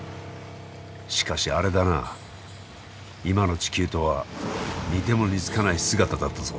しかしあれだな今の地球とは似ても似つかない姿だったぞ。